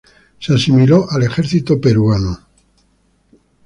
Se asimiló al Ejercito Peruano.